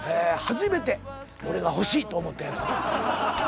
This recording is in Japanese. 初めて俺が欲しいと思ったやつ。